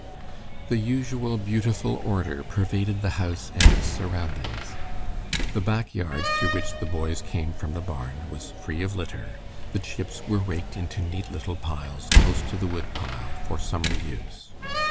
The usual beautiful order pervaded the house and its surroundings. The back yard, through which the boys came from the barn, was free of litter; the chips were raked into neat little piles close to the wood pile, for summer use.